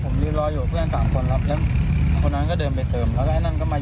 นี่ครับตรงที่รถตู้คันนี้เลยครับ